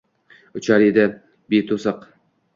Uchar edi beto’siq